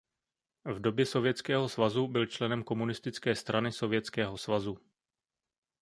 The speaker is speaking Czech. V době Sovětského svazu byl členem Komunistické strany Sovětského svazu.